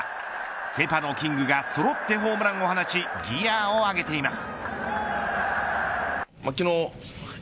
セ・パのキングがそろってホームランを放ちギアを上げています。